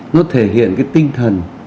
nó thể hiện cái tinh thần